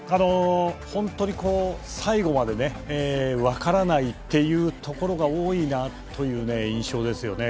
本当に最後まで分からないっていうところが多いなという印象ですね。